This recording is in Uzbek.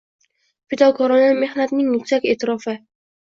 Fidokorona mehnatning yuksak eʼtirofi